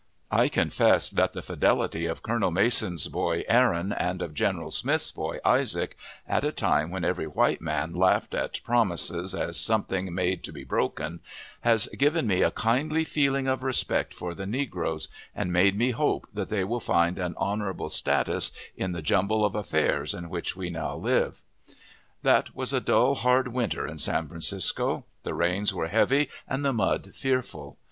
I confess that the fidelity of Colonel Mason's boy "Aaron," and of General Smith's boy "Isaac," at a time when every white man laughed at promises as something made to be broken, has given me a kindly feeling of respect for the negroes, and makes me hope that they will find an honorable "status" in the jumble of affairs in which we now live. That was a dull hard winter in San Francisco; the rains were heavy, and the mud fearful.